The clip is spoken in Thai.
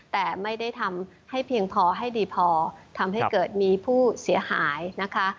แต่ไม่ได้ทำให้เพียงพอให้ดีพอทำให้เกิดมีผู้เสียหายนะคะ